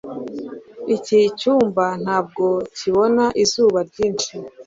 iki cyumba ntabwo kibona izuba ryinshi